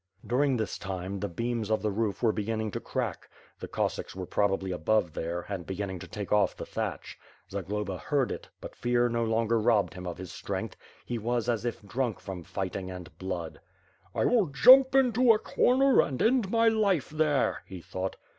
'^ During this time, the beams of the roof were beginning to crack. The Cossacks were probably above there, and begin ning to take off the thatch. Zagloba heard it, but fear no lon ger robbed him of his strength. He was as if drunk from fighting and blood. "I will jump into a corner and end my life there," he thought.